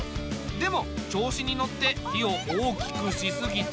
でも調子に乗って火を大きくしすぎて。